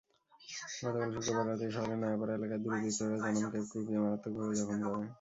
গতকাল শুক্রবার রাতে শহরের নয়াপাড়া এলাকায় দুর্বৃত্তরা জনমকে কুপিয়ে মারাত্মকভাবে জখম করে।